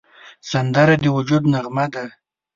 سندره د وجد نغمه ده